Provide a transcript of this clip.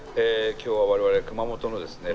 今日は我々熊本のですね